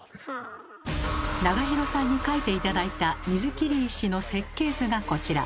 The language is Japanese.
永弘さんに描いて頂いた水切り石の設計図がこちら。